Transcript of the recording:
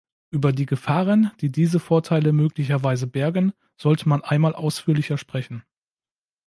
Über die Gefahren, die diese Vorteile möglicherweise bergen, sollte man einmal ausführlicher sprechen.